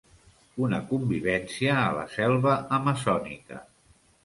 Una convivència a la selva amazònica.